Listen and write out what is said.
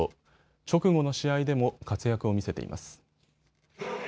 直後の試合でも活躍を見せています。